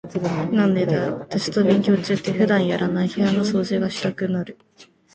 なんでだろう、テスト勉強中って普段やらない部屋の掃除がしたくなる。